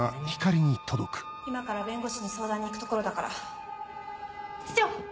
今から弁護士に相談に行くところだから・室長！